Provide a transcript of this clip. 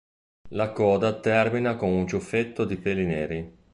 La coda termina con un ciuffetto di peli neri.